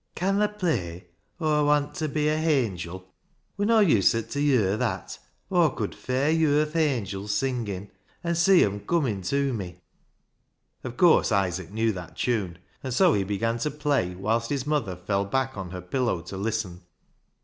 " "Can thaa play, * Aw want ta be a hangil '? When Aw uset t' yer that Aw could fair yer th' angils singin' and see 'em comin' tew me. Of course Isaac knew that tune, and so he began to play, whilst his mother fell back on her pillow to listen.